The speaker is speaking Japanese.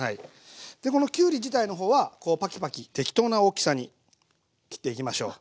でこのきゅうり自体の方はこうパキパキ適当な大きさに切っていきましょう。